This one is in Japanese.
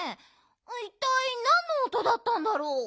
いったいなんのおとだったんだろう？